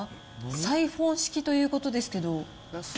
サイフォン式ということですけど。